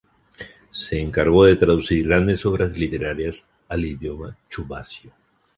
Se encargó de traducir grandes obras literarias al idioma chuvasio.